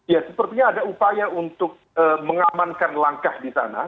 ya sepertinya ada upaya untuk mengamankan langkah